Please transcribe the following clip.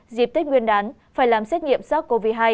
dịp tết nguyên đán phải làm xét nghiệm sars cov hai